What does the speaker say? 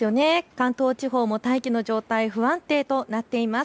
関東地方も大気の状態、不安定となっています。